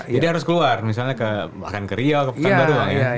jadi harus keluar misalnya bahkan ke rio ke pekanbaru